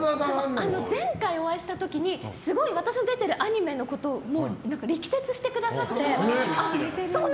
前回お会いした時にすごい私の出ているアニメのことを力説してくださって。